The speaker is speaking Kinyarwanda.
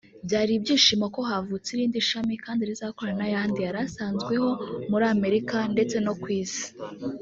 byari ibyishimo ko havutse irindi shami kandi rizakorana n’ayandi yari asanzweho muri Amerika ndetse no ku isi